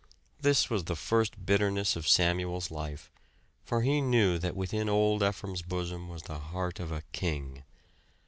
This was the first bitterness of Samuel's life; for he knew that within old Ephraim's bosom was the heart of a king.